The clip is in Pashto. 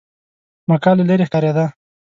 مکه له لرې ښکارېده.